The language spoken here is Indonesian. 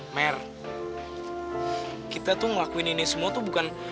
mer kita tuh ngelakuin ini semua tuh bukan